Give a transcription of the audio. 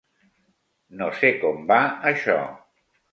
No sé com va, això.